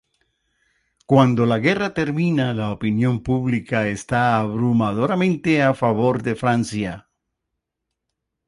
Cuando la guerra termina la opinión pública está abrumadoramente a favor de Francia.